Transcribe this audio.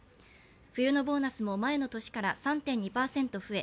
冬のボーナスも前の年から３．２％増え